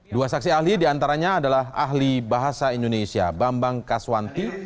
dua saksi ahli diantaranya adalah ahli bahasa indonesia bambang kaswanti